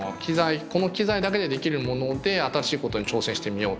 この機材だけでできるもので新しいことに挑戦してみようとか。